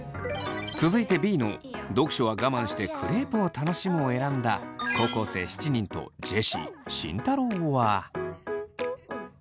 続いてＢの「読書は我慢してクレープを楽しむ」を選んだ高校生７人とジェシー慎太郎は。